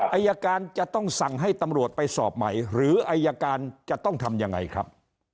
อายการจะต้องสั่งให้ตำรวจไปสอบใหม่หรืออายการจะต้องทำยังไงครับ